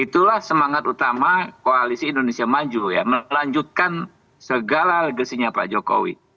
itulah semangat utama koalisi indonesia maju ya melanjutkan segala legasinya pak jokowi